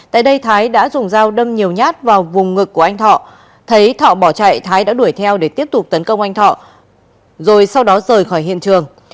tại đây thái đã dùng dao đâm nhiều nhát vào vùng ngực của anh thọ thấy thọ bỏ chạy thái đã đuổi theo để tiếp tục tấn công anh thọ rồi sau đó rời khỏi hiện trường